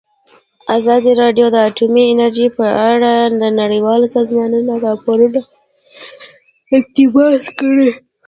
ازادي راډیو د اټومي انرژي په اړه د نړیوالو سازمانونو راپورونه اقتباس کړي.